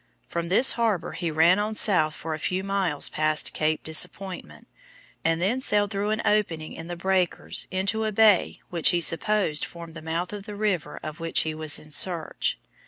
From this harbor he ran on south for a few miles past Cape Disappointment, and then sailed through an opening in the breakers into a bay which he supposed formed the mouth of the river of which he was in search.